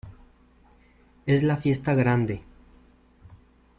Es la fiesta grande.